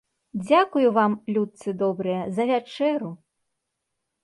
Дзякую вам, людцы добрыя, за вячэру!